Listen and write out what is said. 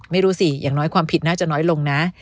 ไม่รู้สิอย่างน้อยความผิดน่าจะน้อยลงนะ